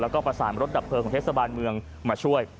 แล้วก็ประสานรถดับเพลิงของเทศบาลเมืองมาช่วย